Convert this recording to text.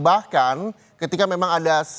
bahkan ketika memang ada